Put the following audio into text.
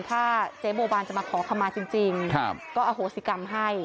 ถ้าเจ๊บัวบานจะมาขอคำมาจริงก็อโหสิกรรมให้